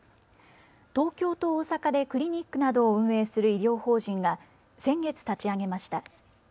東京と大阪でクリニックなどを運営する医療法人が先月、立ち上げました。